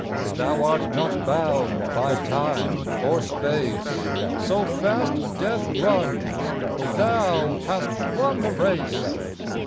Thou art not bound by Time or Space : So fast Death runs : Thou hast won the race.